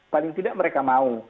paling tidak mereka mau